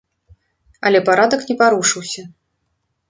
Але парадак не парушыўся.